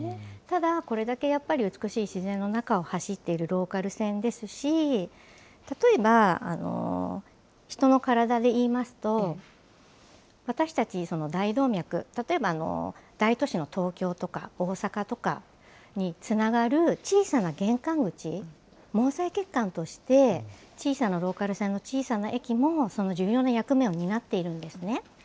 ただ、これだけやっぱり美しい自然の中を走っているローカル線ですし、例えば人の体でいいますと、私たち大動脈、例えば大都市の東京とか、大阪とかにつながる小さな玄関口、毛細血管として小さなローカル線の小さな駅も、その重要な役割を担っているんですね。